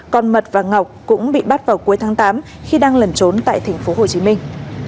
còn mật và ngọc cũng bị bắt vào cuối tháng tám khi đang lẩn trốn tại thành phố hồ chí minh